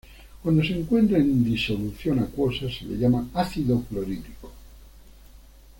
Cuando se encuentra en disolución acuosa se le llama ácido clorhídrico.